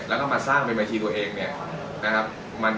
แล้วก็มาสร้างเป็นบัญชีตัวเองเนี่ยนะครับ